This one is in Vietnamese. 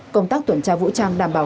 công tác tuần tra vũ trang đảm bảo